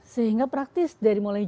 sehingga praktis dari mulai